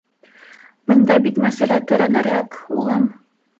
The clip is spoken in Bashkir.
- Бында бит мәсьәлә тәрәнерәк, улым.